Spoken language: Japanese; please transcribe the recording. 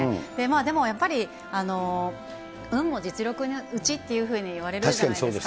でもやっぱり、運も実力のうちというふうに言われるじゃないですか。